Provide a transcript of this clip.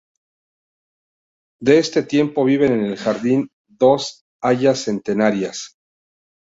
De este tiempo viven en el jardín dos hayas centenarias.